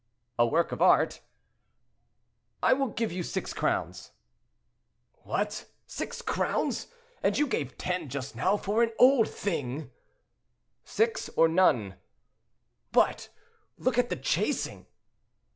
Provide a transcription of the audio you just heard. "A work of art." "I will give you six crowns." "What! six crowns! and you gave ten just now for an old thing—" "Six, or none." "But look at the chasing."